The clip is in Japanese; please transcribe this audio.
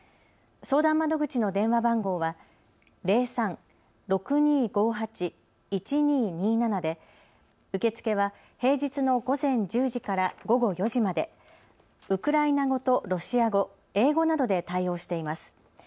相談窓口の電話番号は０３−６２５８−１２２７で受け付けは平日の午前１０時から午後４時まで、ウクライナ語とロシア語、英語などで対応しています。